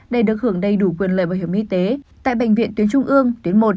để được hưởng đầy đủ quyền lợi bảo hiểm y tế tại bệnh viện tuyến trung ương tuyến một